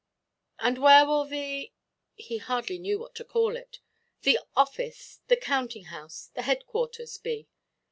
"And where will the"—he hardly knew what to call it—"the office, the counting–house, the headquarters be?"